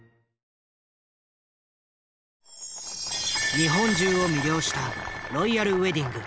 日本中を魅了したロイヤルウエディング。